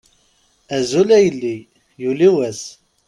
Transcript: Azul a yelli, yuli wass!